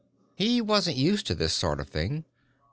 He wasn't used to this sort of thing.